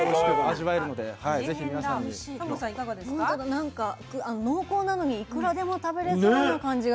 何か濃厚なのにいくらでも食べれそうな感じがしますね。